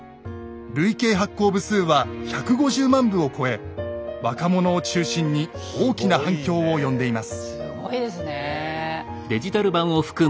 累計発行部数は１５０万部を超え若者を中心に大きな反響を呼んでいます。